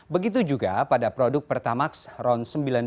begitu juga pada produk pertamax ron sembilan puluh dua